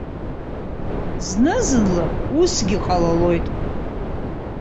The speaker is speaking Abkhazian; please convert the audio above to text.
Зны-зынла усгьы ҟалалоит.